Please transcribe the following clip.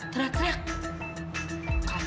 teriak teriak kacau nih